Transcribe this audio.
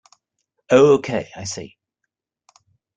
Oh okay, I see.